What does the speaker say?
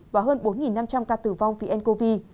và hơn bốn năm trăm linh ca tử vong vì ncov